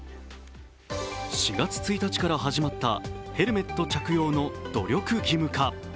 ４月１日から始まったヘルメット着用の努力義務化。